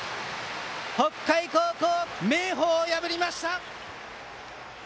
北海高校、明豊を破りました！